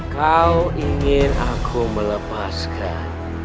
kau ingin aku melepaskan